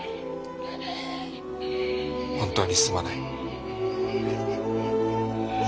「本当にすまない」。